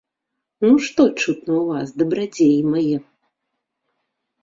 Ну, што чутно ў вас, дабрадзеі мае?